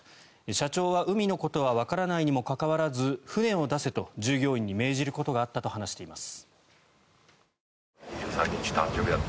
社長は、海のことはわからないにもかかわらず船を出せと従業員に命じることがあったと話しています。